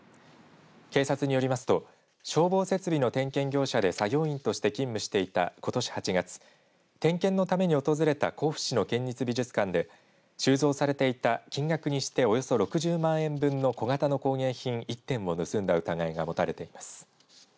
警察によりますと消防設備の点検業者で作業員として勤務していたことし８月点検のために訪れた甲府市の県立美術館で収蔵されていた金額にしておよそ６０万円分の小型の工芸品１点を盗んだ疑いが持たれています。